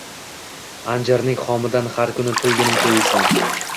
anjirning xomidan har kuni to‘yguningcha yeysan